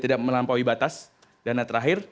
tidak melampaui batas dan yang terakhir